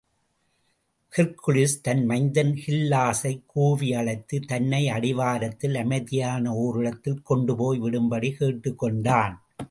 ஹெர்க்குவிஸ், தன் மைந்தன் ஹில்லஸைக் கூவி அழைத்து, தன்னை அடிவாரத்தில் அமைதியான ஓரிடத்தில் கொண்டுபோய் விடும்படி கேட்டுக்கொண்டான்.